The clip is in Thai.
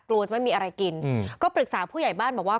จะไม่มีอะไรกินก็ปรึกษาผู้ใหญ่บ้านบอกว่า